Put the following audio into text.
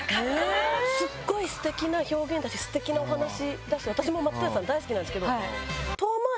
スッゴい素敵な表現だし素敵なお話だし私も松任谷さん大好きなんですけど。